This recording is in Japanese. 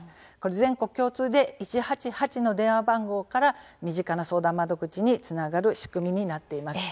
全国共通で１８８の電話番号から身近な相談窓口につながる仕組みになっています。